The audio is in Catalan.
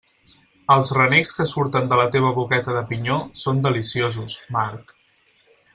Els renecs que surten de la teva boqueta de pinyó són deliciosos, Marc.